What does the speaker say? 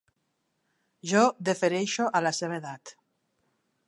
Jo defereixo a la seva edat.